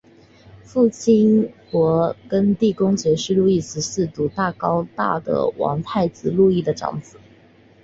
父亲勃艮地公爵是路易十四独子高大的王太子路易的长子。